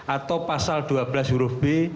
atau pasal dua belas huruf b